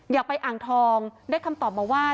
อยากไปอ่างทองได้คำตอบมาว่า